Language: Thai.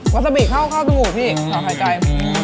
วาซาบี่ข้าวทุกพี่ขาวหายใจ